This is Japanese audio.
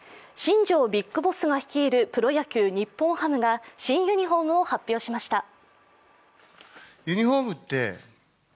新庄ビッグボスが率いるプロ野球・日本ハムが新ユニフォームを発表しました。